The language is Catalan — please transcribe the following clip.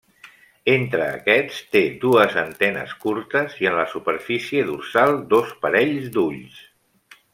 Entre aquests té dues antenes curtes i en la superfície dorsal dos parells d'ulls.